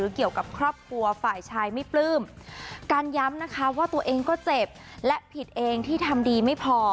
การย้ำว่าตัวเองก็เจ็บและผิดเองที่ทำดีไม่พอ